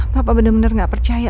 papa bener bener gak percaya